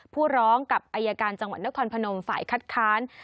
ผู้ร้องกับอายการจังหวัดนครพนมฝ่ายคัดค้าน